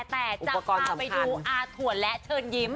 แต่จะพาไปดูอาถ่วนและเชิญยิ้ม